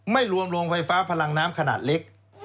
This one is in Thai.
ไม่รวมโรงไฟฟ้าพลังน้ำขนาดเล็ก